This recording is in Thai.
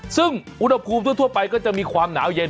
ซึ่งอุณหภูมิทั่วไปก็จะมีความหนาวเย็น